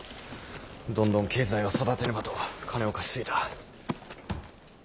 どんどん経済を育てねばと金を貸し過ぎた。